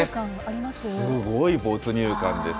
すごい没入感です。